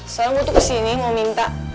soalnya gue tuh kesini mau minta